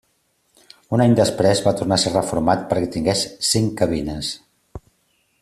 Un any després va tornar a ser reformat perquè tingués cinc cabines.